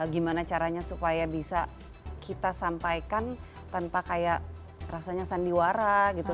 gimana caranya supaya bisa kita sampaikan tanpa kayak rasanya sandiwara gitu